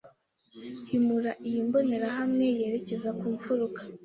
Himura iyi mbonerahamwe yerekeza ku mfuruka.